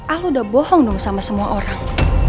al udah bohong dong sama semua orang